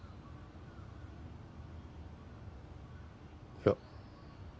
いや